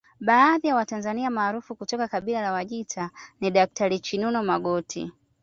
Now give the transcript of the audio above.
Baadhi ya Watanzania maarufu kutoka kabila la Wajita ni Daktari Chinuno Magoti